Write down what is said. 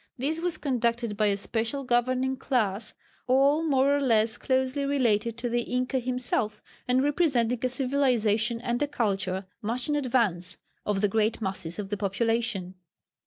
This was conducted by a special governing class all more or less closely related to the Inca himself, and representing a civilization and a culture much in advance of the great masses of the population.